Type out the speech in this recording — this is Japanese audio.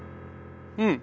うん。